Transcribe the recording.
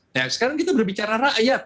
nah sekarang kita berbicara rakyat